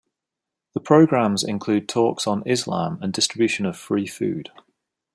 The programs include talks on Islam and distribution of free food.